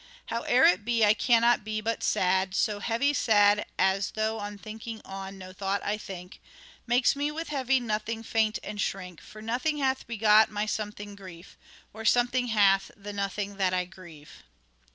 Howe'er it be I cannot be but sad ; so heavy sad As, though on thinking on no thought I think, Makes me with heavy nothing faint and shrink. For nothing hath begot my something grief, Or something hath the nothing that I grieve."